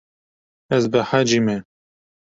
Ez behecî me.